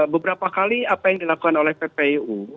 beberapa kali apa yang dilakukan oleh ppu